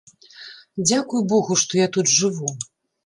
Дзякуй богу, што я тут жыву.